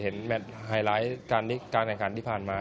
เห็นแบตไฮไลท์การแข่งการที่ผ่านมา